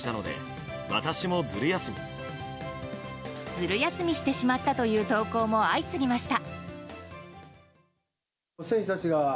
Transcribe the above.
ずる休みしてしまったという投稿も相次ぎました。